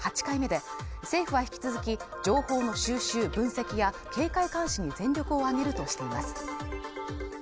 ８回目で政府は引き続き情報の収集分析や警戒監視に全力を挙げるとしています